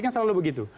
kan selalu begitu